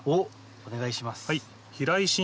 お願いします。